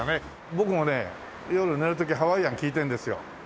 僕もね夜寝る時ハワイアン聞いてるんですよ。